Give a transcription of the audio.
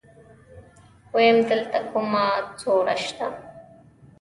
ويم دلته کومه سوړه شته.